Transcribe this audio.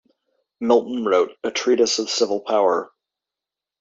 Milton wrote "A Treatise of Civil Power".